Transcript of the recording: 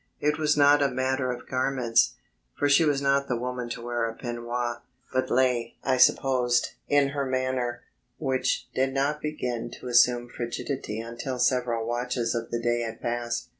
It was not a matter of garments, for she was not the woman to wear a peignoir; but lay, I supposed, in her manner, which did not begin to assume frigidity until several watches of the day had passed.